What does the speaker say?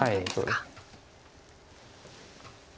はい。